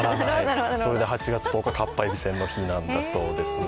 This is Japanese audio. それで８月１０日、かっぱえびせんの日なんだそうです。